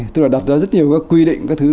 tức là đặt ra rất nhiều quy định